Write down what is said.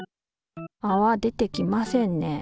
あわ出てきませんね。